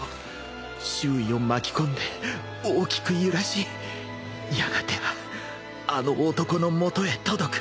周囲を巻き込んで大きく揺らしやがてはあの男の元へ届く。